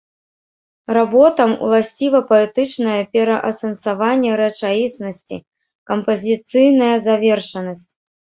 Работам уласціва паэтычнае пераасэнсаванне рэчаіснасці, кампазіцыйная завершанасць.